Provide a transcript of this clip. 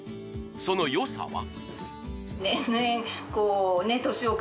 そのよさは？